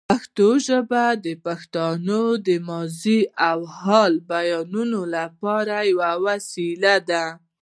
پښتو ژبه د پښتنو د ماضي او حال بیانولو لپاره یوه وسیله ده.